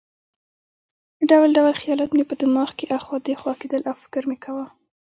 ډول ډول خیالات مې په دماغ کې اخوا دېخوا کېدل او فکر مې کاوه.